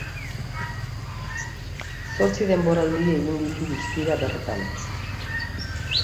Zortzi denboraldi egin ditu guztira bertan.